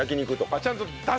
ちゃんと出す？